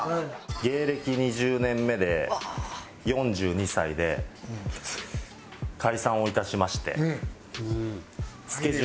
芸歴２０年目で４２歳で解散をいたしまして。